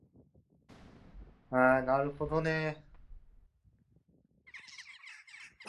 Walter F. White's risk-taking investigation and report contributed to his advancing in the organization.